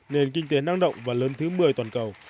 nền kinh tế năng động và lớn thứ một mươi toàn cầu